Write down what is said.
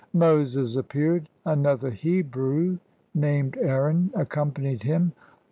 Moses appeared: another Hebrew, named Aaron, accompanied him.